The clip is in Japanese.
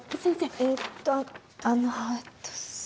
えっとあのえっと。